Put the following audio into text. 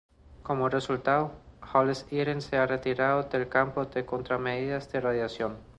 Como resultado, Hollis-Eden se ha retirado del campo de contramedidas de radiación.